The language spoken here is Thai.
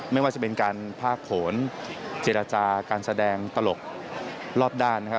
ไม่ว่าจะเป็นการพากผลเจรจาการแสดงตลกรอบด้านนะครับ